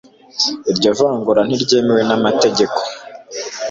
iryo vangura ntiryemewe n'amategeko